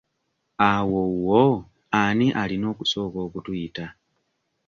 Awo wo ani alina okusooka okutuyita?